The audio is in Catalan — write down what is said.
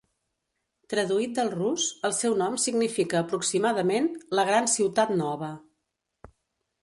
Traduït del rus, el seu nom significa aproximadament 'la gran ciutat nova'.